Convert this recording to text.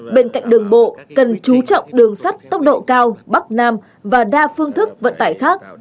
bên cạnh đường bộ cần chú trọng đường sắt tốc độ cao bắc nam và đa phương thức vận tải khác